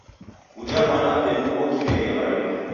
Uja mwanape nuo kimeria mariw'a.